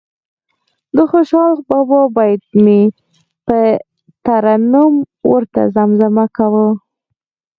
د خوشال بابا بیت به مې په ترنم ورته زمزمه کاوه.